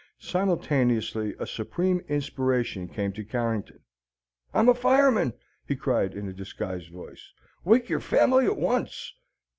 Simultaneously, a supreme inspiration came to Carrington. "I'm a fireman," he cried in a disguised voice. "Wake your family at once!"